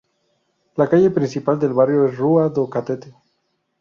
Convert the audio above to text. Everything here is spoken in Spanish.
La calle principal del barrio es rua do Catete.